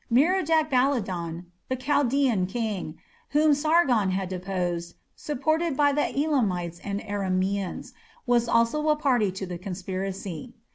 Merodach Baladan, the Chaldaean king, whom Sargon had deposed, supported by Elamites and Aramaeans, was also a party to the conspiracy.